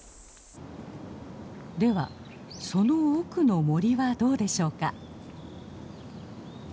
ではその奥の森はどうでしょうか。